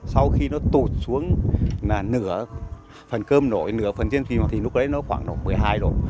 sau khi nó tụt xuống là nửa phần cơm nổi nửa phần tiên phim thì lúc đấy nó khoảng độ một mươi hai độ